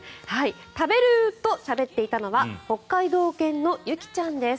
「食べる」としゃべっていたのは北海道犬のゆきちゃんです。